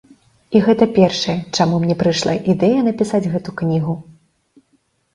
І гэта першае, чаму мне прыйшла ідэя напісаць гэту кнігу.